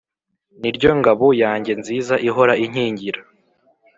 niryo ngabo yanjyenziza ihora inkingira